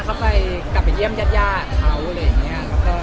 เขาก็ไปเยี่ยมญาติญาติเขาอะไรอย่างนี้